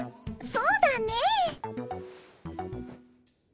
そうだね。